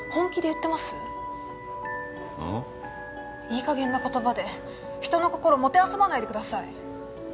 いいかげんな言葉でひとの心もてあそばないでください。